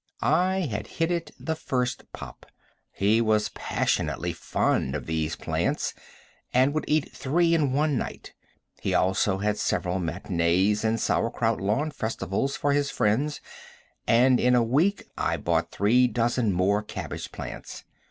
I had hit it the first pop. He was passionately fond of these plants, and would eat three in one night. He also had several matinees and sauerkraut lawn festivals for his friends, and in a week I bought three dozen more cabbage plants.